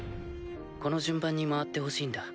この順番に回ってほしいんだ。